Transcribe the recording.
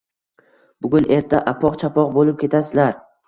Bugun-yerta apoq-chapoq bo‘lib ketasizlar.